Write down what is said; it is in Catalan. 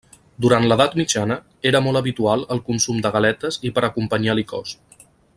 Durant l'edat mitjana era molt habitual el consum de galetes i per acompanyar licors.